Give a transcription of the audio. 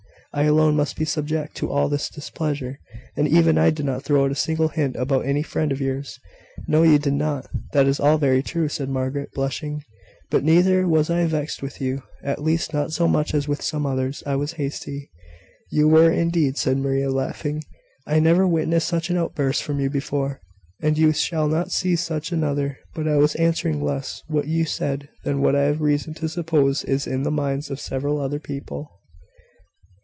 I alone must be subject to all this displeasure, and even I did not throw out a single hint about any friend of yours." "No, you did not; that is all very true," said Margaret, blushing: "but neither was I vexed with you; at least, not so much as with some others. I was hasty." "You were, indeed," said Maria, laughing. "I never witnessed such an outburst from you before." "And you shall not see such another; but I was answering less what you said than what I have reason to suppose is in the minds of several other people."